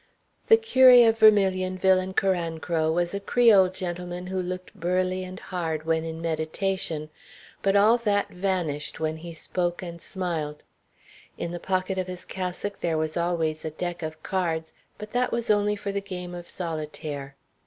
The curé of Vermilionville and Carancro was a Creole gentleman who looked burly and hard when in meditation; but all that vanished when he spoke and smiled. In the pocket of his cassock there was always a deck of cards, but that was only for the game of solitaire.